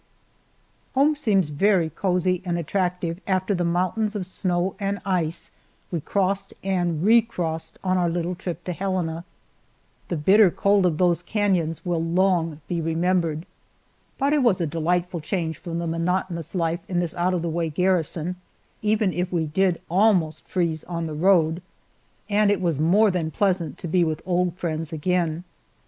HOME seems very cozy and attractive after the mountains of snow and ice we crossed and re crossed on our little trip to Helena. The bitter cold of those canons will long be remembered. But it was a delightful change from the monotonous life in this out of the way garrison, even if we did almost freeze on the road, and it was more than pleasant to be with old friends again.